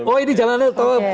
oh ini jalannya